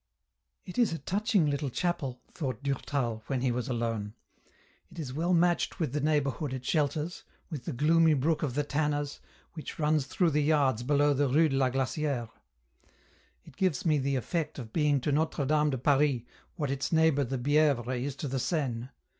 " It is a touching little chapel," thought Durtal, when he was alone. " It is well matched with the neighbourhood it shelters, with the gloomy brook of the tanners, which runs through the yards below the Rue de la Glaciere. It gives me the effect of being to Notre Dame de Paris what its neighbour the Bievre is to the Seine.